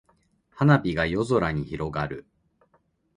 花火が夜空に広がる。